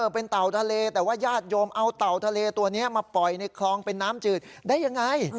เป็นเต่าทะเลแต่ว่าญาติโยมเอาเต่าทะเลตัวนี้มาปล่อยในคลองเป็นน้ำจืดได้ยังไง